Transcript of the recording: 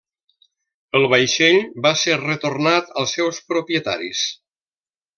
El vaixell va ser retornat als seus propietaris.